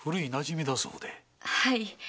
はい。